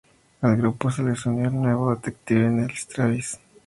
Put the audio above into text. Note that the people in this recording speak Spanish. Al grupo se les unió el nuevo detective Neil Travis.